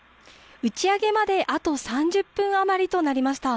打ち上げまであと３０分余りとなりました。